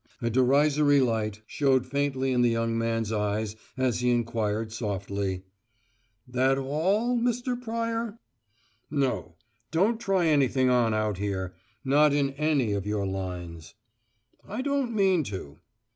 A derisory light showed faintly in the younger man's eyes as he inquired, softly: "That all, Mr. Pryor?" "No. Don't try anything on out here. Not in any of your lines." "I don't mean to."